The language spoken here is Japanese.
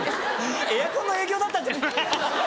エアコンの影響だったんじゃ。